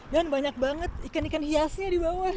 dan banyak banget ikan ikan hiasnya di bawah